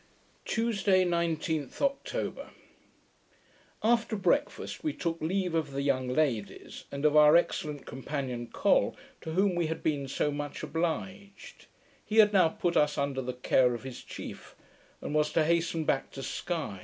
Tuesday, 19th October After breakfast we took leave of the young ladies, and of our excellent companion Col, to whom we had been so much obliged. He had now put us under the care of his chief; and was to hasten back to Sky.